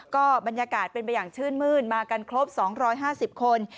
ก็บรรยากาศเป็นไปอย่างชื่นมื้นมากันครบ๒๕๐คน